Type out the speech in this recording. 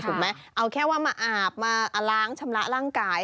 ถูกไหมเอาแค่ว่ามาอาบมาล้างชำระร่างกาย